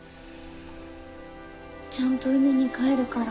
ちゃんと海に帰るから。